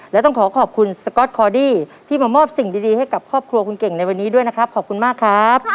และต้องขอขอบคุณสก๊อตคอดี้ที่มามอบสิ่งดีให้กับครอบครัวคุณเก่งในวันนี้ด้วยนะครับขอบคุณมากครับ